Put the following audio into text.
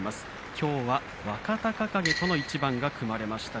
きょうは若隆景との一番が組まれました。